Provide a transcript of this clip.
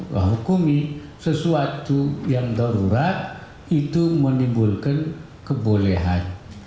rahukumi sesuatu yang darurat itu menimbulkan kebolehan